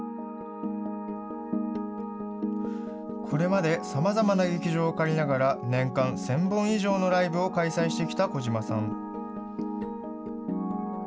これまでさまざまな劇場を借りながら、年間１０００本以上のライブを開催してきた児島さん。